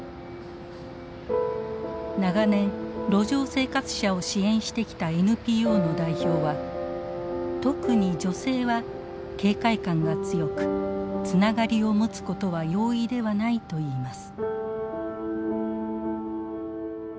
長年路上生活者を支援してきたＮＰＯの代表は特に女性は警戒感が強くつながりを持つことは容易ではないといいます。